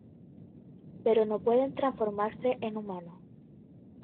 Pero no pueden transformarse en humano.